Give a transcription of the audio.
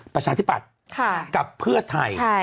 ประชาธิปัตย์กับเพื่อไทย